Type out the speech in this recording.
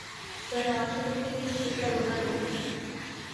تو نواز شریف پھر کس چیز کا رونا رو رہے ہیں؟